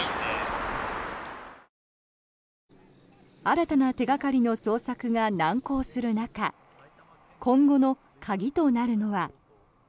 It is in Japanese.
新たな手掛かりの捜索が難航する中今後の鍵となるのは。